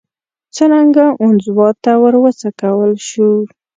څرنګه انزوا ته وروڅکول شو